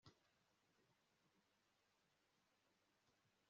ubwiza ni imbaraga; kumwenyura ni inkota yayo. - john ray